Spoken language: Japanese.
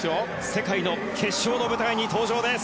世界の決勝の舞台に登場です！